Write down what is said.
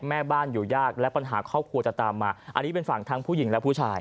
แม่บ้านอยู่ยากและปัญหาครอบครัวจะตามมาอันนี้เป็นฝั่งทั้งผู้หญิงและผู้ชาย